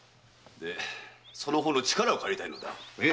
でその方の力を借りたいのだ。